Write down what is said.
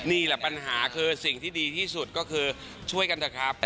นี่แหละปัญหาคือสิ่งที่ดีที่สุดก็คือช่วยกันเถอะครับ